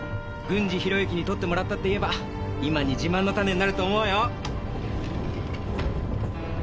軍司弘之に撮ってもらったって言えば今に自慢のタネになると思うよ。